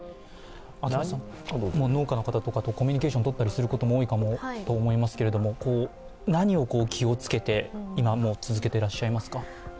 秋元さんも農家の方たちとコミュニケーションをとることが多いと思いますけども何を気をつけて今、続けてらっしゃいますか？